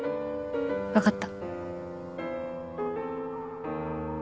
分かった。